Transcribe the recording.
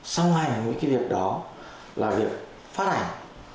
song hành với cái việc đó là việc phát hành